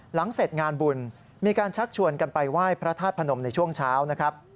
หลังเสร็จงานบุญมีการชักชวนกันไปไหว้พระธาตุพนมในช่วงเช้านะครับ